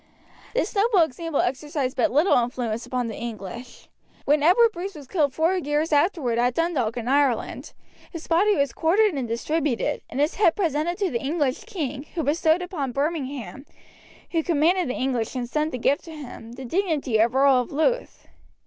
This noble example exercised but little influence upon the English. When Edward Bruce was killed four years afterwards at Dundalk in Ireland, his body was quartered and distributed, and his head presented to the English king, who bestowed upon Birmingham who commanded the English and sent the gift to him the dignity of Earl of Louth.